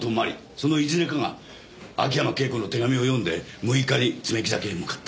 そのいずれかが秋山圭子の手紙を読んで６日に爪木崎へ向かった。